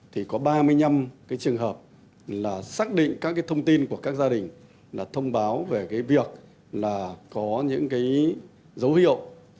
thì có ba mươi năm trường hợp xác định các thông tin của các gia đình là thông báo về việc có những dấu hiệu